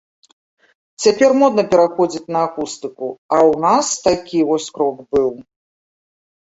Цяпер модна пераходзіць на акустыку, а ў нас такі вось крок быў.